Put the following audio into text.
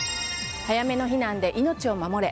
早めの避難で命を守れ。